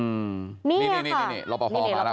อือนี่รอพอมาละ